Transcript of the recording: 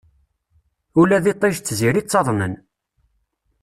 Ula d iṭij d tziri ttaḍnen.